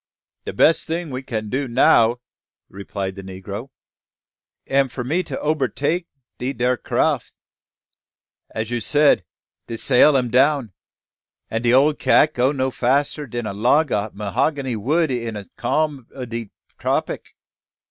"De bess ting we can do now," replied the negro, "am for me to obertake dat ere craff. As you said, de sail am down; an' de ole Cat no go fasser dan a log o' 'hogany wood in a calm o' de tropic.